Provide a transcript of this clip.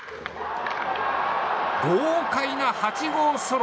豪快な８号ソロ。